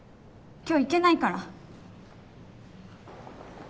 今日行けないから。